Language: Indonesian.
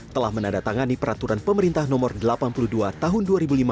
telah menandatangani peraturan pemerintah nomor delapan puluh dua tahun dua ribu lima belas